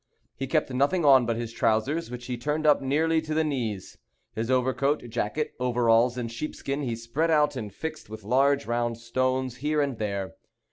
He kept nothing on but his trousers, which he turned up nearly to the knees. His overcoat, jacket, overalls, and sheepskin he spread out and fixed with large round stones here and there.